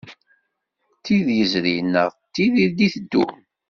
D tid yezrin neɣ tid i d-iteddun.